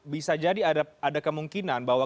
bisa jadi ada kemungkinan bahwa